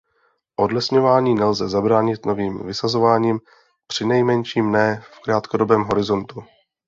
Odlesňování nelze zabránit novým vysazováním, přinejmenším ne v krátkodobém horizontu.